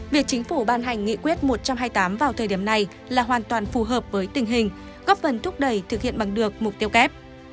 việc chính phủ ban hành nghị quyết một trăm hai mươi tám vào thời điểm này là hoàn toàn phù hợp với tình hình góp phần thúc đẩy thực hiện bằng được mục tiêu kép